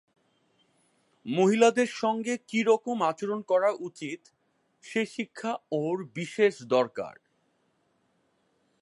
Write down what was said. মহিলাদের সঙ্গে কিরকম আচরণ করা উচিত সে শিক্ষা ওঁর বিশেষ দরকার।